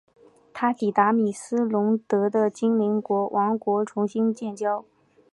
他抵达米斯龙德的精灵王国重新建交。